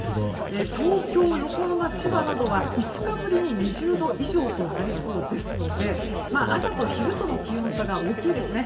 東京、横浜、千葉などは５日ぶりに２０度以上となりそうですので朝と昼との気温差が大きいですね。